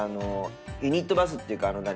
ユニットバスっていうか何？